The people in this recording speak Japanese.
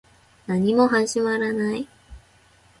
何も始まらない